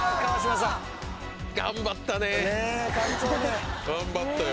頑張ったよ